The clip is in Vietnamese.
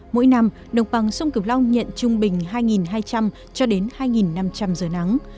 mỗi năm đồng bằng sông cửu long nhận trung bình hai hai trăm linh cho đến hai năm trăm linh giờ nắng